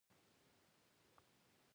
هغه خپله طریقه د ګنګا په وادۍ کې وړاندې کړه.